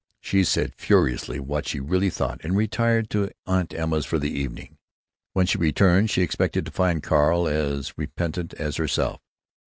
She said furiously what she really thought, and retired to Aunt Emma's for the evening. When she returned she expected to find Carl as repentant as herself.